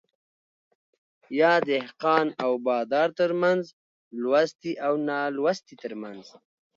يا دهقان او بادار ترمنځ ،لوستي او نالوستي ترمنځ